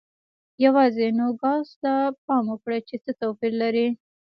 یوازې نوګالس ته پام وکړئ چې څه توپیر لري.